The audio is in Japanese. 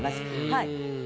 はい。